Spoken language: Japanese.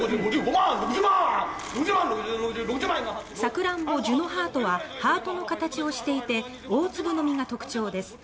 サクランボ、ジュノハートはハートの形をしていて大粒の実が特徴です。